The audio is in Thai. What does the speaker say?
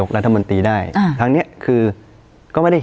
เคยคุยครับ